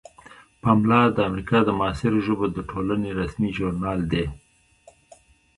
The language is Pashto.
پملا د امریکا د معاصرو ژبو د ټولنې رسمي ژورنال دی.